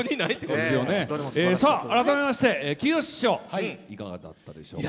改めまして、きよし師匠いかがだったでしょうか。